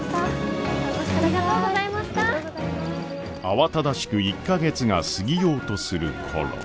慌ただしく１か月が過ぎようとする頃。